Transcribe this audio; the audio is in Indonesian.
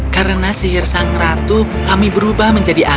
karena sihir sang ratu kami berubah